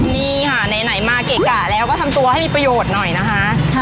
นี่ค่ะไหนมาเกะกะแล้วก็ทำตัวให้มีประโยชน์หน่อยนะคะ